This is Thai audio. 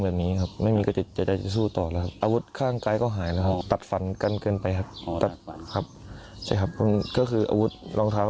หากไม่มีคนที่อยากสนับสนุน